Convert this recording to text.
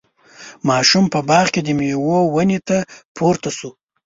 ماشوم په باغ کې د میوو ونې ته پورته شو.